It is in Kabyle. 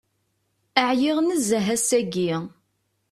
Ɛyiɣ nezzeh ass-agi.